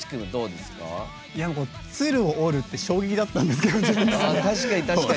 鶴を折るって衝撃だったんですけど自分の中で。